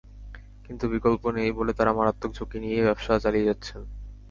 কিন্তু বিকল্প নেই বলে তাঁরা মারাত্মক ঝুঁকি নিয়েই ব্যবসা চালিয়ে যাচ্ছেন।